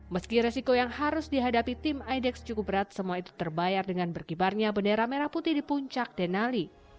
meski resiko yang harus dihadapi tim idex cukup berat semua itu terbayar dengan berkibarnya bendera merah putih di puncak denali